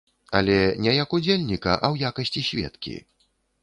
Але не як удзельніка, а ў якасці сведкі.